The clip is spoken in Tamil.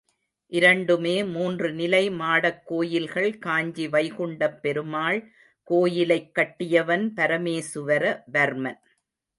இரண்டுமே மூன்று நிலை மாடக் கோயில்கள் காஞ்சி வைகுண்டப் பெருமாள் கோயிலைக் கட்டியவன் பரமேசுவர வர்மன்.